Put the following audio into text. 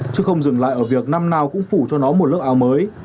chứ không dừng lại ở việc năm nào cũng phủ cho nó một lớp áo mới